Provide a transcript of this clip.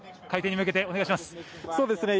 回転に向けてお願いします。